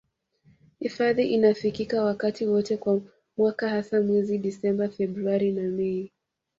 Hifadhi inafikika wakati wote wa mwaka hasa mwezi disemba februari na mei